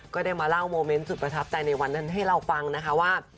ก็ได้มาเล่าโมเมนต์สุดประทับใจในวันนั้นให้เราฟังนะคะว่า